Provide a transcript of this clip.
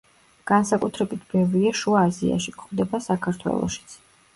განსაკუთრებით ბევრია შუა აზიაში, გვხვდება საქართველოშიც.